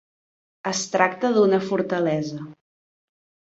Es tracta d'una fortalesa.